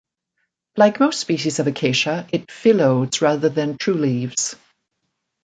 Like most species of "Acacia" it phyllodes rather than true leaves.